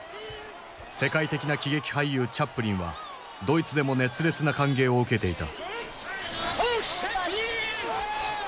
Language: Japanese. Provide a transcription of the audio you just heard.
世界的な喜劇俳優チャップリンはドイツでも熱烈な歓迎を受けていた。